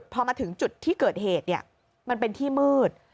พอมาถึงจุดที่เกิดเหตุมันเป็นที่มืด